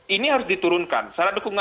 ini harus diturunkan secara dukungan